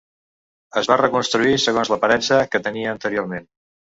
Es va reconstruir segons l'aparença que tenia anteriorment.